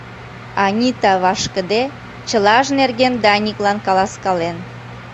Анита вашкыде чылаж нерген Даниклан каласкален.